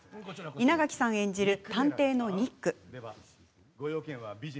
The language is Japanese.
稲垣さん演じる、探偵のニック。